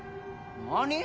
何？